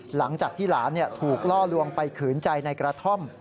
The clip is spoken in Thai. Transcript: หลังจากที่หลานถูกล่อลวงไปขืนใจในกระท่อม